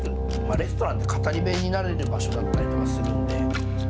レストランって語り部になれる場所だったりするので。